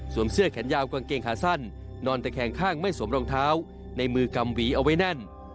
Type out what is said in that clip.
เสื้อแขนยาวกางเกงขาสั้นนอนตะแคงข้างไม่สวมรองเท้าในมือกำหวีเอาไว้แน่น